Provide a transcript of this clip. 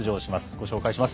ご紹介します。